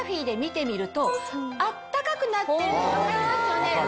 温かくなってるの分かりますよね？